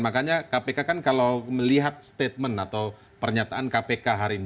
makanya kpk kan kalau melihat statement atau pernyataan kpk hari ini